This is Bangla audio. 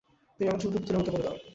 তুমি আমার চুলকে পুতুলের মতো করে দাও।